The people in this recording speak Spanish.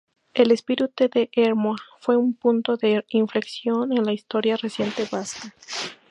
El "espíritu de Ermua" fue un punto de inflexión en la historia reciente vasca.